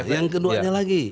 yang keduanya lagi